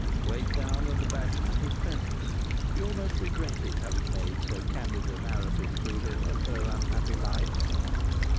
Weighed down and abashed at his presence, she almost regretted having made so candid a narrative to him of her unhappy life.